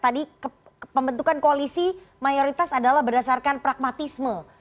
tadi pembentukan koalisi mayoritas adalah berdasarkan pragmatisme